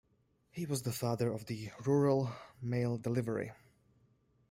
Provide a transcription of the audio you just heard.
He was the father of the rural mail delivery.